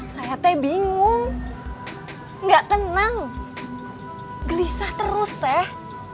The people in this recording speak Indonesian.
saya teh bingung gak tenang gelisah terus teh